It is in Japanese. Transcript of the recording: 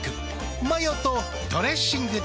マヨとドレッシングで。